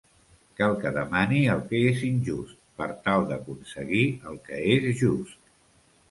Cal que demani el que és injust, per tal d'aconseguir el que és just.